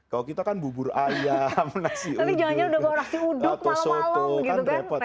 kalau kita kan bubur ayam nasi ubi atau soto kan repot